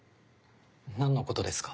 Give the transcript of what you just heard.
何のことですか？